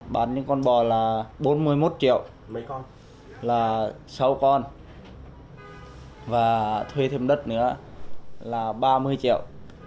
bán những con bò là bốn mươi một triệu mấy con là sáu con và thuê thêm đất nữa là ba mươi triệu